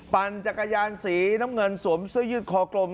ปั่นจักรยานสีน้ำเงินสวมเสื้อยืดคอกลม